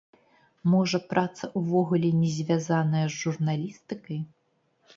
Можа, праца ўвогуле не звязаная з журналістыкай?